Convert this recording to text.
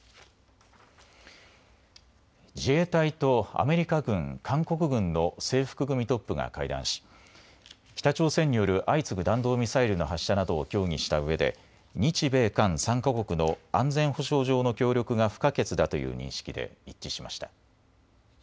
自衛隊とアメリカ軍、韓国軍の制服組トップが会談し北朝鮮による相次ぐ弾道ミサイルの発射などを協議したうえで日米韓３か国の安全保障上の協力が不可欠だという認識で一致しました。